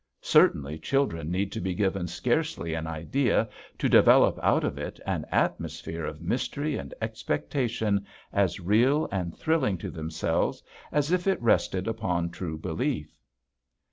Certainly children need to be given scarcely an idea to develop out of it an atmosphere of mystery and expectation as real and thrilling to themselves as if it rested upon true belief.